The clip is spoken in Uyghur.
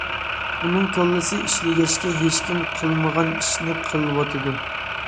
ئۇنىڭ كاللىسى ئىشلىگەچكە ھېچكىم قىلمىغان ئىشنى قىلىۋاتىدۇ.